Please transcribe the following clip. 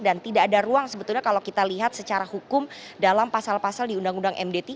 dan tidak ada ruang sebetulnya kalau kita lihat secara hukum dalam pasal pasal di undang undang md tiga